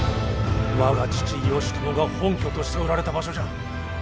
我が父義朝が本拠としておられた場所じゃ。